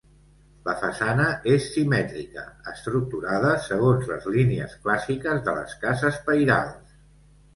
La façana és simètrica, estructurada segons les línies clàssiques de les cases pairals.